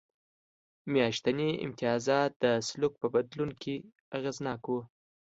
میاشتني امتیازات د سلوک په بدلون کې اغېزناک و.